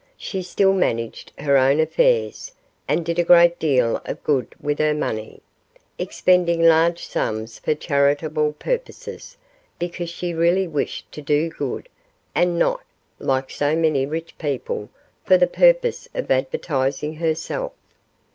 She still managed her own affairs, and did a great deal of good with her money, expending large sums for charitable purposes, because she really wished to do good, and not, like so many rich people, for the purpose of advertising herself.